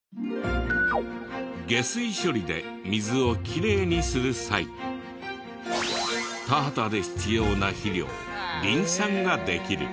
下水処理で水をきれいにする際田畑で必要な肥料リン酸ができる。